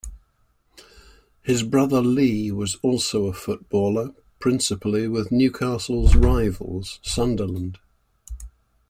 His brother Lee was also a footballer, principally with Newcastle's rivals Sunderland.